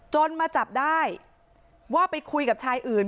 มาจับได้ว่าไปคุยกับชายอื่น